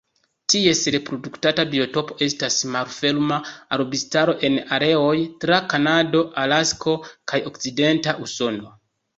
Ties reprodukta biotopo estas malferma arbustaro en areoj tra Kanado, Alasko kaj okcidenta Usono.